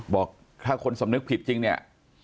บอกถ้าคนสำนึกผิดจริงเนี่ย